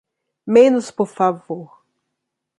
Menos por favor!